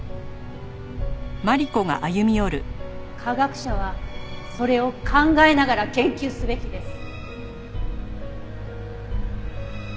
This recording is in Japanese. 科学者はそれを考えながら研究すべきです。